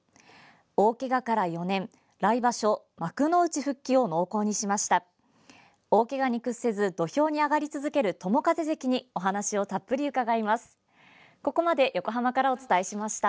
大けがから４年来場所幕の内復帰を決めました。